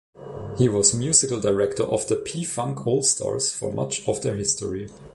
He was musical director of the P-Funk All-Stars for much of their history.